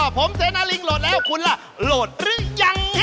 ผมเสนาลิงโหลดแล้วคุณล่ะโหลดหรือยัง